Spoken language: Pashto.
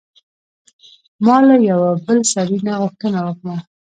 ما له یوه بل سړي نه غوښتنه وکړه.